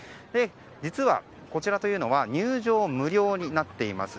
実は、こちらは入場無料になっています。